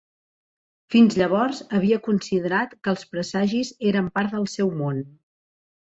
Fins llavors, havia considerat que els presagis eren part del seu món.